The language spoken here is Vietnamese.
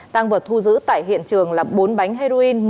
tăng vật thu giữ tại hiện trường là bốn bánh heroin